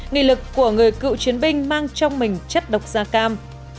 nghị lực của người cựu chiến binh mang trong mình chất độc da cam